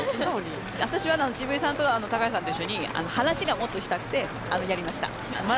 私は渋井さんと高橋さんと一緒に話がもっとしたくてやりました。